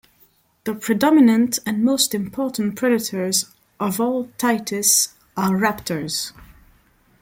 The predominant and most important predators of all titis are raptors.